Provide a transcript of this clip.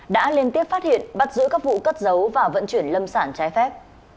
đã liên tiếp phát hiện bắt giữ các vụ cất giấu và vận chuyển lâm sản trái phép